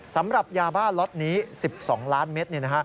สำหรับยาบ้าล็อตนี้๑๒ล้านเมตร